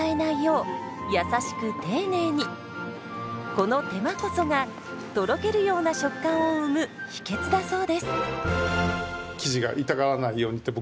この手間こそがとろけるような食感を生む秘訣だそうです。